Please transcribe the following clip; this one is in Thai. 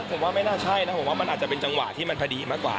ผมว่าไม่น่าใช่นะผมว่ามันอาจจะเป็นจังหวะที่มันพอดีมากกว่า